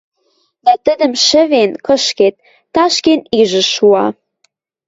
дӓ тӹдӹм, шӹвен, кышкед, ташкен ижӹ шуа.